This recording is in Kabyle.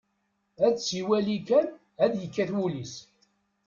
Ad tt-iwali kan, ad yekkat wul-is.